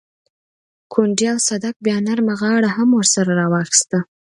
کونډې او صدک بيا نرمه غاړه ورسره راواخيسته.